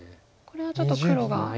これはちょっと黒が。